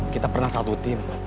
kita pernah satu tim